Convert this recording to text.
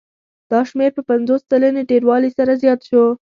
دا شمېر په پنځوس سلنې ډېروالي سره زیات شو